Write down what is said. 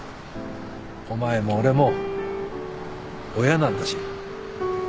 お前も俺も親なんだし。